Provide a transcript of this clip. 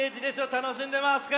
たのしんでますか？